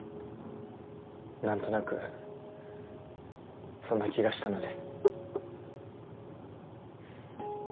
何となくそんな気がしたので。